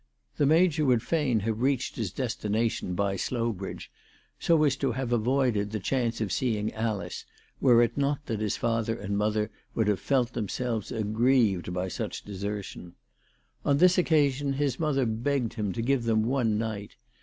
The Major would fain have reached his destination by Slow bridge, so as to have avoided the chance of seeing Alice, were it not that his father and mother would have felt themselves aggrieved by such desertion. On this occasion his mother begged him to give them one night.